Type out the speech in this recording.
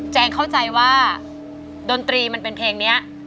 เข้าใจว่าดนตรีมันเป็นเพลงนี้